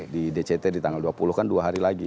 di dct di tanggal dua puluh kan dua hari lagi